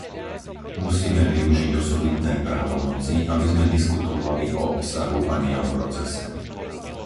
Musíme využiť osobitné právomoci, aby sme diskutovali o obsahu a nie o procese.